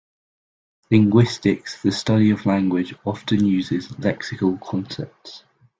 Linguistics, the study of language, often uses lexical concepts.